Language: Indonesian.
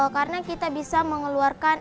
karena kita bisa mengeluarkan